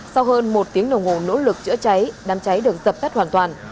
sau hơn một tiếng đồng hồ nỗ lực chữa cháy đám cháy được dập tắt hoàn toàn